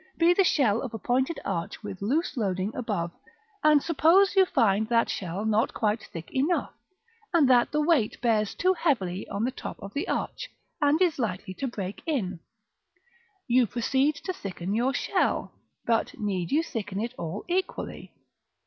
be the shell of a pointed arch with loose loading above; and suppose you find that shell not quite thick enough; and that the weight bears too heavily on the top of the arch, and is likely to break it in: you proceed to thicken your shell, but need you thicken it all equally?